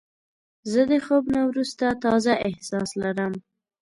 زه د خوب نه وروسته تازه احساس لرم.